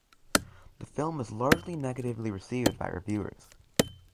The film was largely negatively received by reviewers.